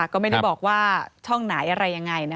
ก็ไม่ได้บอกว่าช่องไหน